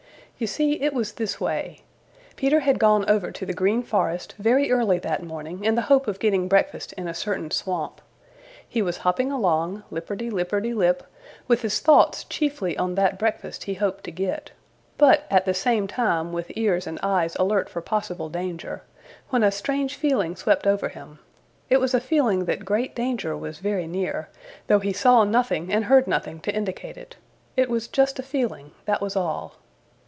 You see it was this way: Peter had gone over to the Green Forest very early that morning in the hope of getting breakfast in a certain swamp. He was hopping along, lipperty lipperty lip, with his thoughts chiefly on that breakfast he hoped to get, but at the same time with ears and eyes alert for possible danger, when a strange feeling swept over him. It was a feeling that great danger was very near, though he saw nothing and heard nothing to indicate it. It was just a feeling, that was all.